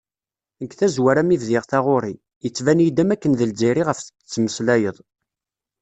Deg tazwara mi bdiɣ taɣuri, yettban-iyi-d am wakken d Lzzayer i ɣef d-tettmeslayeḍ.